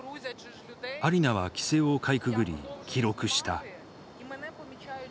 アリナは規制をかいくぐり記録した。